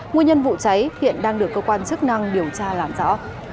nguyên nhân vụ cháy hiện đang được cơ quan chức năng điều tra làm rõ